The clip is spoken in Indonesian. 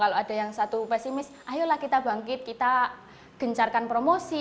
kalau ada yang satu pesimis ayolah kita bangkit kita gencarkan promosi